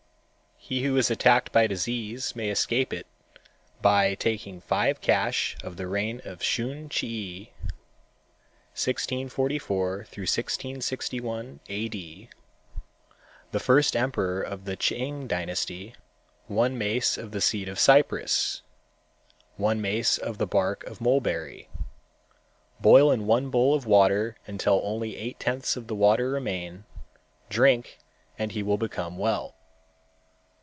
He who is attacked by disease, may escape it by taking five cash of the reign of Shun Chih (1644 1661 A. D.), the first emperor of the Ch'ing dynasty, one mace of the seed of cypress, one mace of the bark of mulberry, boil in one bowl of water until only eight tenths of the water remain, drink and he will become well.